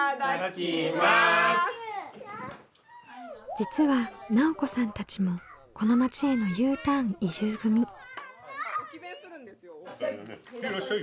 実は奈緒子さんたちもこの町へのＵターン移住組。へいらっしゃい！